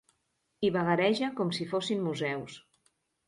Hi vagareja com si fossin museus.